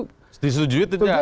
disetuju itu tidak